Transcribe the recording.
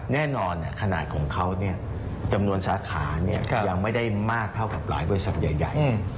แน่นอนขนาดของเขาจำนวนสาขายังไม่ได้มากเท่ากับหลายบริษัทใหญ่